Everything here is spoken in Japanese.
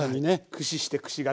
駆使してくし形。